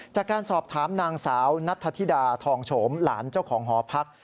จากการสอบถามนางสาวนัทธิดาทองโฉมหลานเจ้าของหอพัก